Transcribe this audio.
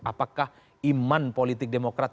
apakah iman politik demokraat